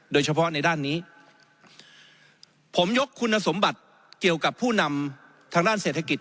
โดยเฉพาะในด้านนี้ผมยกคุณสมบัติเกี่ยวกับผู้นำทางด้านเศรษฐกิจ